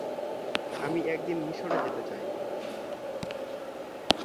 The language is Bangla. আমি একদিন মিশরে যেতে চাই।